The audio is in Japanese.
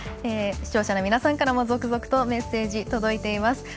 視聴者の皆さんからも続々とメッセージ、届いています。